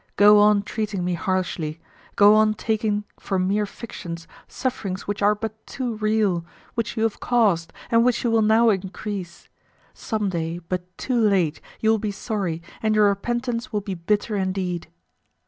Go on treating me harshly; go on taking for mere fictions sufferings which are but too real, which you have caused, and which you will now increase. Some day, but too late, you will be sorry, and your repentance will be bitter indeed."